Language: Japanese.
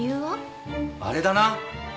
あれだな。